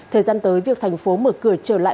thời gian tới việc thành phố mở cửa trở lại